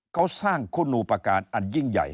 เขาสร้างคู่นูประการอันยิ่งใหญ่